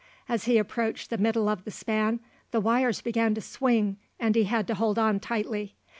As he approached the middle of the span the wires began to swing, and he had to hold on tightly.